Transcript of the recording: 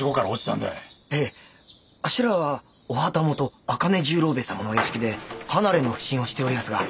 あっしらはお旗本赤根十郎兵衛様のお屋敷で離れの普請をしておりやすが。